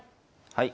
はい。